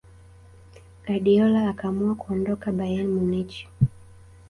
guardiola akaamua kuondoka bayern munich